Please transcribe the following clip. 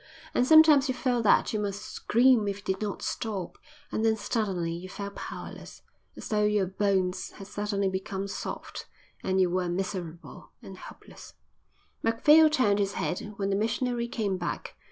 And sometimes you felt that you must scream if it did not stop, and then suddenly you felt powerless, as though your bones had suddenly become soft; and you were miserable and hopeless. Macphail turned his head when the missionary came back.